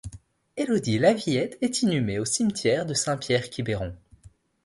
Elodie La Villette est inhumée au cimetière de Saint-Pierre-Quiberon.